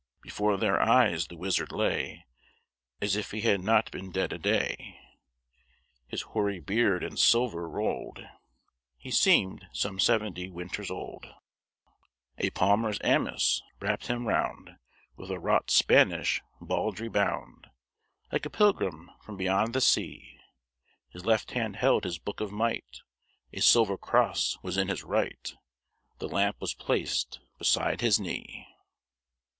"Before their eyes the wizard lay, As if he had not been dead a day: His hoary beard in silver rolled, He seemed some seventy winters old; A palmer's amice wrapped him round; With a wrought Spanish baldrie bound, Like a pilgrim from beyond the sea; His left hand held his book of might; A silver cross was in his right: The lamp was placed beside his knee."